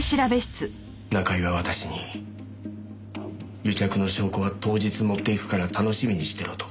中居が私に癒着の証拠は当日持っていくから楽しみにしてろと。